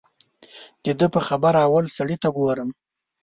د ده په خبره اول سړي ته ګورم.